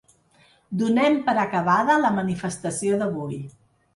Donem per acabada la manifestació d'avui!